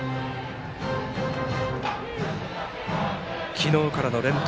昨日からの連投。